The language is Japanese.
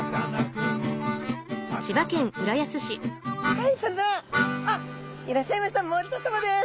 はいそれではあっいらっしゃいました森田さまです。